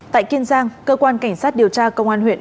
tại kiên giang cơ quan cảnh sát điều tra công an huyện